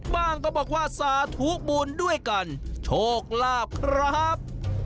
ก็บอกว่าสาธุบุญด้วยกันโชคลาภครับ